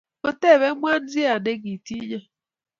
kotebe Mwanzia nekitinyo